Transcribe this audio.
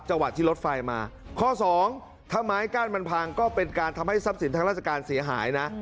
จังหวัดที่รถไฟมาข้อสองถ้าไม้กั้นมันพังก็เป็นการทำให้ทรัพย์สินทางราชการเสียหายนะ